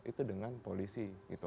itu dengan polisi gitu